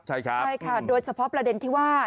ใช่ค่ะโดยเฉพาะประเด็นที่ว่า